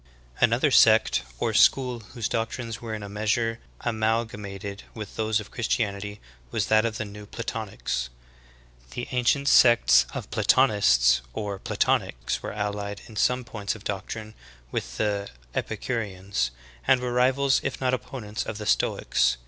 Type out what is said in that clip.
,' 11. Another sect or school whose doctrines were in a measure amalgamated with those of Christianity v/as that of the New Platonics. The ancient sects of Platonists or Platonics were allied in some points of doctrine with the Epicureans, and were rivals if not opponents of the Stoics.